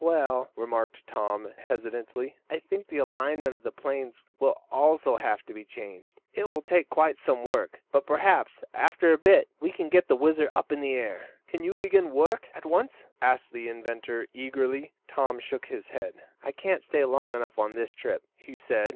"Well," remarked Tom, hesitatingly, "I think the arrangement of the planes will also have to be changed. It will take quite some work, but perhaps, after a bit, we can get the WHIZZER up in the air." "Can you begin work at once?" asked the inventor, eagerly. Tom shook his head. "I can't stay long enough on this trip," he said.